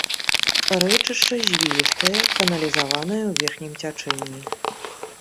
Рэчышча звілістае, каналізаванае ў верхнім цячэнні.